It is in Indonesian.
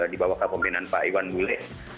dibawah kepemimpinan pak iwan bule